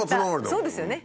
そうですよね。